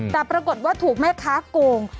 แต่ปรากฏว่าถูกแม่ค้าโกง